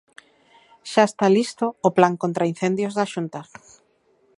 Xa está listo o plan contra incendios da Xunta.